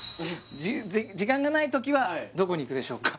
時間がない時はどこに行くでしょうか？